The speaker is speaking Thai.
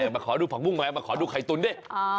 มาขอดูผักบุ้งแรงมาขอดูไข่ตุ๋นดิ